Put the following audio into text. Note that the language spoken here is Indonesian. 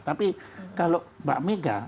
tapi kalau mbak mega